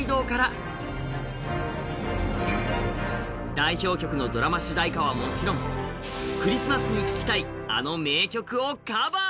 代表曲のドラマ主題歌はもちろん、クリスマスに聴きたいあの名曲をカバー。